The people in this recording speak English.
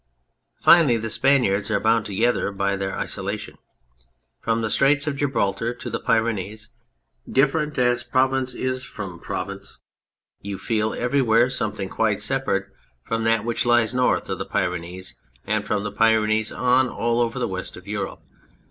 Finally, the Spaniards are bound together by their isolation. From the Straits of Gibraltar to the Pyrenees, different as province is from province, you feel everywhere something quite separate from that 234 The Spaniard which lies north of the Pyrenees, and from the Pyrenees on, all over the west of Europe.